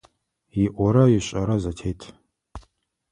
ИIорэ ишIэрэ зэтет.